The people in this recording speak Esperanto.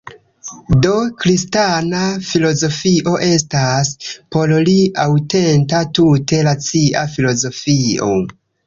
Do kristana filozofio estas, por li, aŭtenta tute racia filozofio.